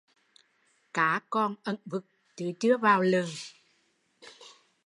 Cá còn ẩn vực, chứ chưa vào lừ